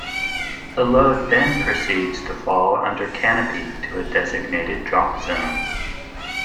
The load then proceeds to fall under canopy to a designated drop zone.